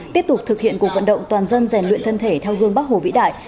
tiếp tục thực hiện cuộc vận động toàn dân rèn luyện thân thể theo gương bắc hồ vĩ đại